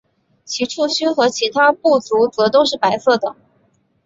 其触须和其他步足则都是白色的。